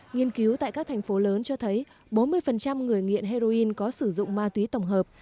nghiên cứu tại các thành phố lớn cho thấy bốn mươi người nghiện heroin có sử dụng ma túy tổng hợp